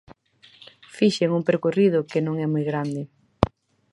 Fixen un percorrido que non é moi grande.